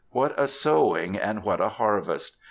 What a sowing, and what a harvest!